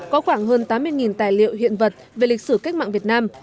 có khoảng hơn tám mươi tài liệu hiện vật về lịch sử cách mạng việt nam